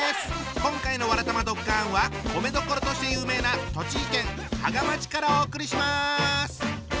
今回の「わらたまドッカン」は米どころとして有名な栃木県芳賀町からお送りします！